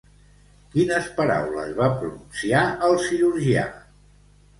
Quines paraules va pronunciar el cirurgià?